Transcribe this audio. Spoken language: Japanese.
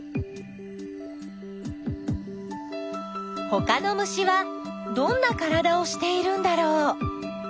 ほかの虫はどんなからだをしているんだろう？